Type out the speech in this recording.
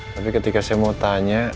tapi ketika saya mau tanya